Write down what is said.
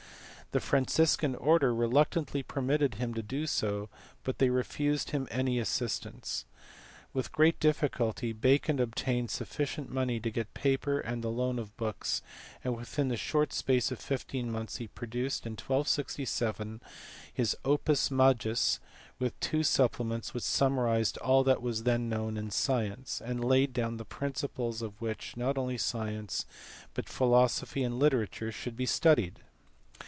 The Franciscan order reluctantly permitted him to do so, but they refused him any assistance. With great difficulty Bacon ob tained sufficient money to get paper and the loan of books, and within the short space of fifteen months he produced in 1267 his Opus majus with two supplements which summarized all that was then known in science, and laid down the principles on which not only science, but philosophy and literature, should be studied.